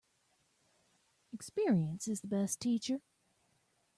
Experience is the best teacher.